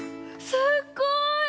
すっごい！